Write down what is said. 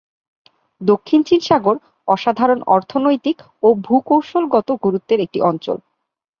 দক্ষিণ চীন সাগর অসাধারণ অর্থনৈতিক ও ভূ-কৌশলগত গুরুত্বের একটি অঞ্চল।